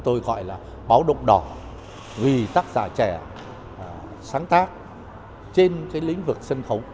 tôi gọi là báo động đỏ vì tác giả trẻ sáng tác trên cái lĩnh vực sân khấu